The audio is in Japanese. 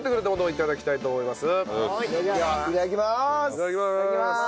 いただきます。